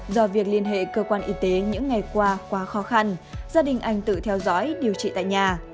do việc liên hệ cơ quan y tế những ngày qua quá khó khăn gia đình anh tự theo dõi điều trị tại nhà